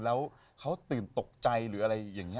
แล้วเขาตื่นตกใจหรืออะไรอย่างนี้